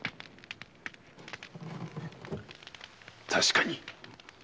確かに。